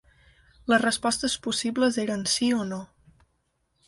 Les respostes possibles eren sí o no.